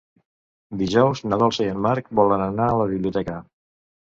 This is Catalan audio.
Dijous na Dolça i en Marc volen anar a la biblioteca.